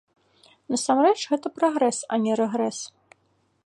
Насамрэч, гэта прагрэс, а не рэгрэс.